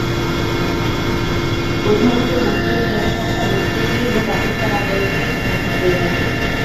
প্রধানত মুসলিম জনসংখ্যা মুসলিম লীগ ও পাকিস্তান আন্দোলনকে সমর্থন করে থাকে।